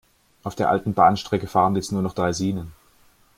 Auf der alten Bahnstrecke fahren jetzt nur noch Draisinen.